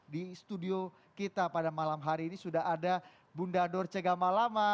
di studio kita pada malam hari ini sudah ada bunda dorce gamalama